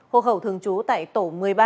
hộ khẩu thường trú tại tổ một mươi ba